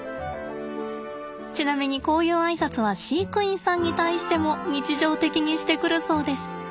ちなみにこういうあいさつは飼育員さんに対しても日常的にしてくるそうです。